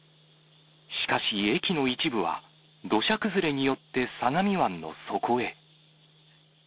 しかし駅の一部は土砂崩れによって相模湾の底へ。